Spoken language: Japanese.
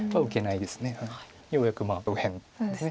ようやく右辺です。